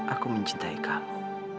aku mencintai kamu